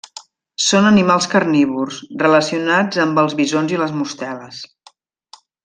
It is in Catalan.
Són animals carnívors, relacionats amb els visons i les musteles.